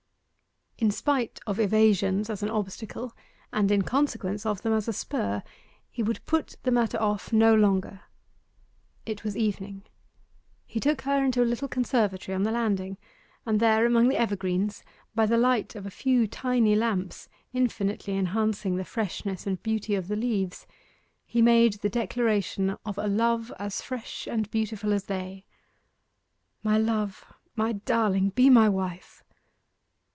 In spite of evasions as an obstacle, and in consequence of them as a spur, he would put the matter off no longer. It was evening. He took her into a little conservatory on the landing, and there among the evergreens, by the light of a few tiny lamps, infinitely enhancing the freshness and beauty of the leaves, he made the declaration of a love as fresh and beautiful as they. 'My love my darling, be my wife!